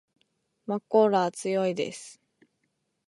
まこーらは強いです